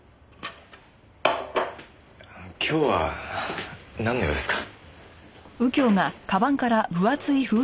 今日はなんの用ですか？